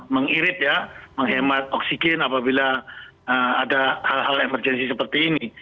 mengirit ya menghemat oksigen apabila ada hal hal emergensi seperti ini